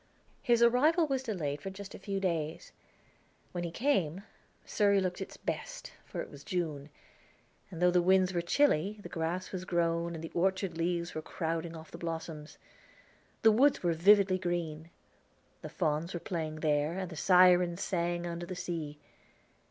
His arrival was delayed for a few days. When he came Surrey looked its best, for it was June; and though the winds were chilly, the grass was grown and the orchard leaves were crowding off the blossoms. The woods were vividly green. The fauns were playing there, and the sirens sang under the sea.